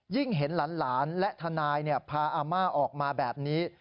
เห็นหลานและทนายพาอาม่าออกมาแบบนี้